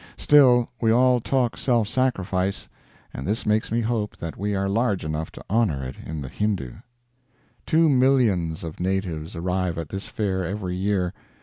Still, we all talk self sacrifice, and this makes me hope that we are large enough to honor it in the Hindoo. Two millions of natives arrive at this fair every year.